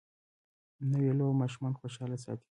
نوې لوبه ماشومان خوشحاله ساتي